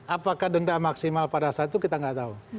apakah denda maksimal pada saat itu kita nggak tahu